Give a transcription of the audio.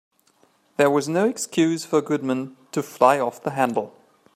There was no excuse for Goodman to fly off the handle.